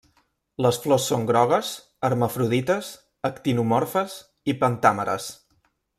Les flors són grogues hermafrodites, actinomorfes i pentàmeres.